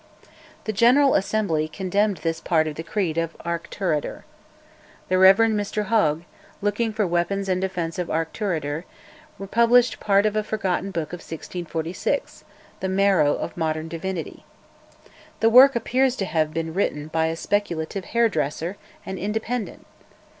The General Assembly condemned this part of the Creed of Auchterarder. The Rev. Mr Hog, looking for weapons in defence of Auchterarder, republished part of a forgotten book of 1646, 'The Marrow of Modern Divinity.' The work appears to have been written by a speculative hairdresser, an Independent.